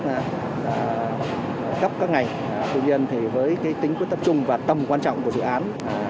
rất gấp các ngày tuy nhiên thì với tính quyết tập trung và tâm quan trọng của dự án